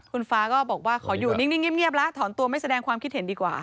คุณฟ้าก็บอกว่าขออยู่นิ่งเงียบแล้วถอนตัวไม่แสดงความคิดเห็นดีกว่า